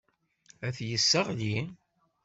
Ad t-yesseɣli.